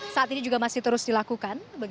saat ini juga masih terus dilakukan